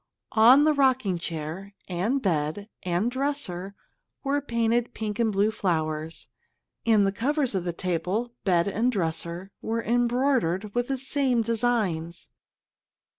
On the rocking chair, and bed, and dresser were painted pink and blue flowers, and the covers of the table, bed and dresser were embroidered with the same designs.